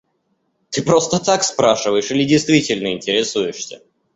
Ты просто так спрашиваешь или действительно интересуешься?